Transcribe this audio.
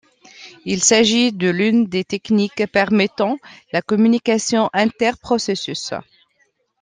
Il s'agit de l'une des techniques permettant la communication inter-processus.